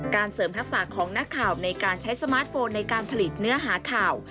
เสริมทักษะของนักข่าวในการใช้สมาร์ทโฟนในการผลิตเนื้อหาข่าว